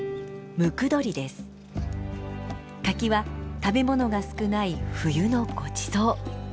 柿は食べ物が少ない冬のごちそう。